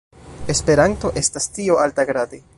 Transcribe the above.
Esperanto estas tio altagrade.